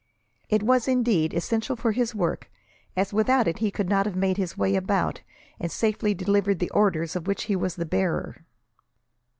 It was, indeed, essential for his work, as without it he could not have made his way about, and safely delivered the orders of which he was the bearer.